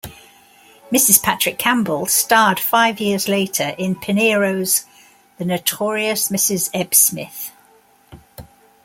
Mrs Patrick Campbell starred five years later in Pinero's "The Notorious Mrs. Ebbsmith".